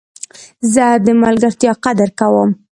زه د ملګرتیا قدر کوم.